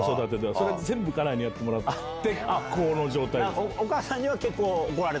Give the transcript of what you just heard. それ全部家内にやってもらってこの状態です。